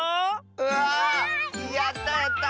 うわあやった！